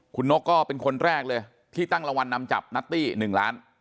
คุณนกก็เป็นคนแรกเลยที่ตั้งรางวัลนำจับนัตตี้๑ล้าน